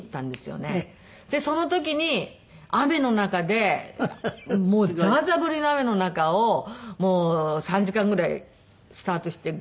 でその時に雨の中でもうザーザー降りの雨の中を３時間ぐらいスタートしてゴールに戻ってくる。